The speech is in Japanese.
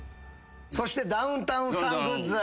そしてダウンタウンさんグッズ。